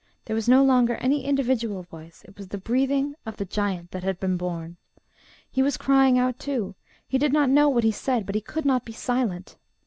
There was no longer any individual voice: it was the breathing of the giant that had been born; he was crying out too; he did not know what he said, but he could not be silent.